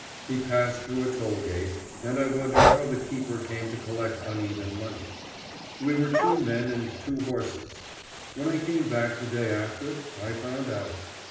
We passed through a toll gate, and I wondered how the keeper came to collect uneven money. We were two men and two horses. When I came back the day after, I found out.